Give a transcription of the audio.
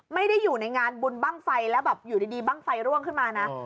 ไม่ได้อยู่ในงานบุญบ้างไฟแล้วแบบอยู่ดีบ้างไฟร่วงขึ้นมานะ